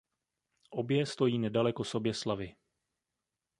Obě stojí nedaleko Soběslavi.